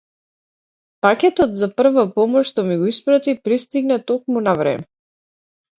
Пакетот за прва помош што ми го испрати пристигна токму на време.